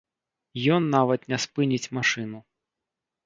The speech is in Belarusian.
Ён нават не спыніць машыну.